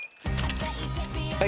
はい。